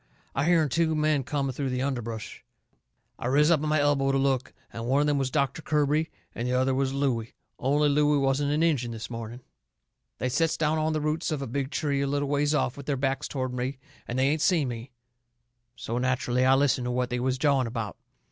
I hearn two men coming through the underbrush. I riz up on my elbow to look, and one of them was Doctor Kirby and the other was Looey, only Looey wasn't an Injun this morning. They sets down on the roots of a big tree a little ways off, with their backs toward me, and they ain't seen me. So nacherally I listened to what they was jawing about.